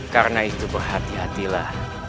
karena itu berhati hatilah